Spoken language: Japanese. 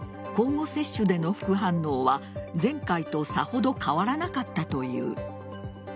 交互接種での副反応は前回とさほど変わらなかったという。